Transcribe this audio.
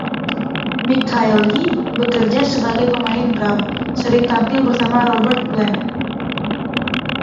Michael Lee bekerja sebagai pemain drum, sering tampil bersama Robert Plant.